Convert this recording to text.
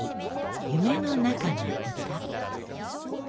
「夢の中の歌」。